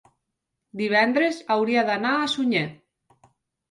divendres hauria d'anar a Sunyer.